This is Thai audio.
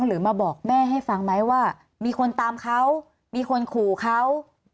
หรือมาบอกแม่ให้ฟังไหมว่ามีคนตามเขามีคนขู่เขา